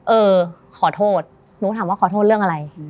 เออขอโทษหนูถามว่าขอโทษเรื่องอะไร